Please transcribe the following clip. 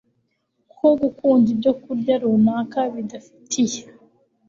ko gukunda ibyokurya runaka bidafitiye